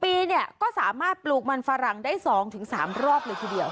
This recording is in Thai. ปีเนี่ยก็สามารถปลูกมันฝรั่งได้๒๓รอบเลยทีเดียว